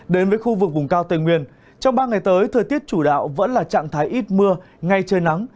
đến với khu vực vùng cao tây nguyên trong ba ngày tới thời tiết chủ đạo vẫn là trạng thái ít mưa ngay trời nắng